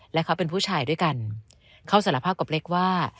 และเขาเป็นผู้ชายด้วยกันเขาสารภาพกับเล็กว่า